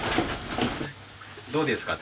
どうですか？